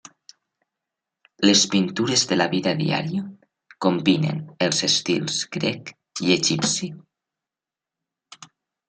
Les pintures de la vida diària combinen els estils grec i egipci.